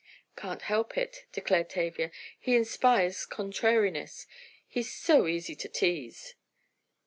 "Can't help it," declared Tavia. "He inspires contrariness! He's so easy to tease!"